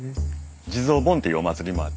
地蔵盆っていうお祭りもあってね